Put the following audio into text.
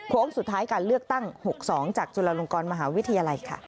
สุดท้ายการเลือกตั้ง๖๒จากจุฬลงกรมหาวิทยาลัยค่ะ